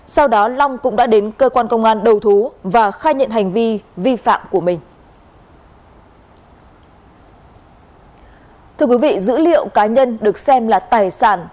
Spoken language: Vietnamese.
sau đó long cũng đã đến cơ quan công an đầu thú và khai nhận hành vi vi phạm của mình